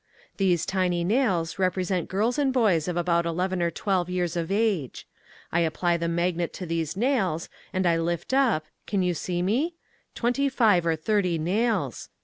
These tiny nails represent girls and boys of about eleven or twelve years of age. I apply the magnet to these nails and I lift up can you see me twenty five or thirty nails.